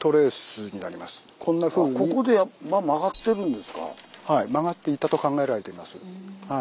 じゃあはい曲がっていたと考えられています。